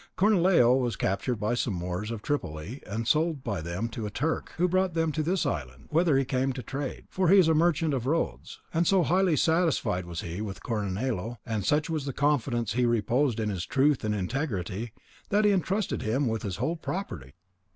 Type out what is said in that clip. Cornelio was captured by some Moors of Tripoli, and sold by them to a Turk who brought him to this island, whither he came to trade, for he is a merchant of Rhodes, and so highly satisfied was he with Cornelio, and such was the confidence he reposed in his truth and integrity, that he entrusted him with his whole property."